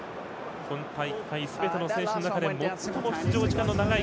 今大会、すべての選手の中で最も出場時間の長い